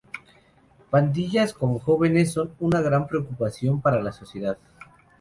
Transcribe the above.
Pandillas con jóvenes son una gran preocupación para la sociedad.